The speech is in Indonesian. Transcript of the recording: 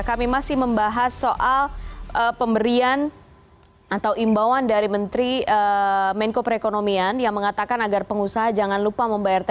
kami masih membahas soal pemberian atau imbauan dari menteri menko perekonomian yang mengatakan agar pengusaha jangan lupa membayar thr